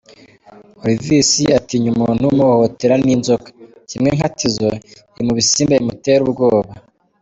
Olivis : Atinya umuntu umuhohotera n’inzoka, kimwe nka Tizzo iri mu bisimba bimutera ubwoba.